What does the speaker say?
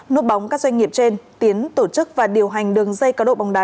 núp bóng các doanh nghiệp trên tiến tổ chức và điều hành đường dây cá độ bóng đá